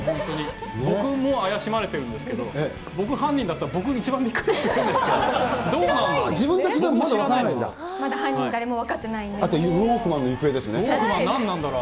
僕も怪しまれているんですけれども、僕犯人だったら、僕、一番びっくりするんですけど、どうなんだろう？